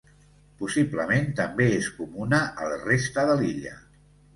Possiblement també és comuna a la resta de l'illa.